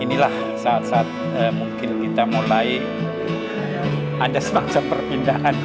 ini adalah saat saat mungkin kita mulai ada semacam perpindahan